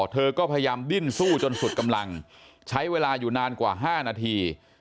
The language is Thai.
เธอก็พยายามดิ้นสู้จนสุดกำลังใช้เวลาอยู่นานกว่า๕นาที